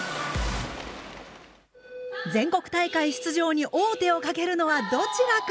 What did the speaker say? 全国大会出場に王手をかけるのはどちらか？